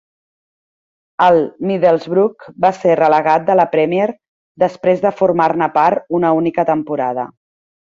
El Middlesbrough va ser relegat de la Premier després de formar-ne part una única temporada.